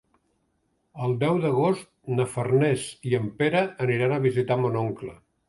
El deu d'agost na Farners i en Pere aniran a visitar mon oncle.